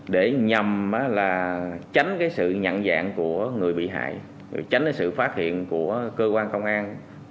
để nhầm là tránh cái sự nhận dạng của người bị hại tránh cái sự phát hiện của cơ quan công an